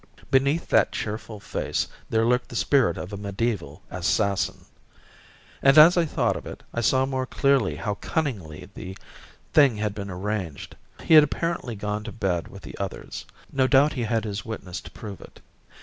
Beneath that cheerful face there lurked the spirit of a mediaeval assassin. And as I thought of it I saw more clearly how cunningly the thing had been arranged. He had apparently gone to bed with the others. No doubt he had his witness to prove it.